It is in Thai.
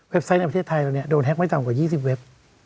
ไซต์ในประเทศไทยเราเนี่ยโดนแก๊กไม่ต่ำกว่า๒๐เว็บ